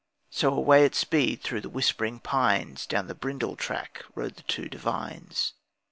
So away at speed through the whispering pines Down the bridle track rode the two Devines.